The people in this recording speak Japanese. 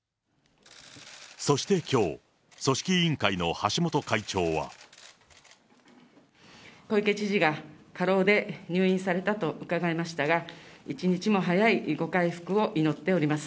そしてきょう、組織委員会の橋本会長は。小池知事が過労で入院されたと伺いましたが、一日も早いご回復を祈っております。